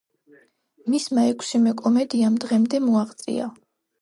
მისმა ექვსივე კომედიამ დღემდე მოაღწია.